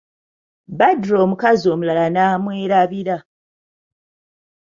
Badru omukazi omulala n'amwerabira.